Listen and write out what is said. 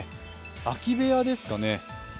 空き部屋ですかね。